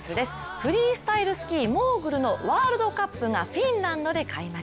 フリースタイルスキー・モーグルのワールドカップがフィンランドで開幕。